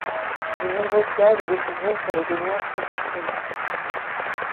De nombreuses plages à découvrir pour les baigneurs précautionneux.